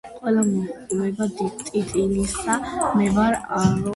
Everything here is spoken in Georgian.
ყველა მოჰყვება ტიტინსა:"მე ვარო ამის წამალი"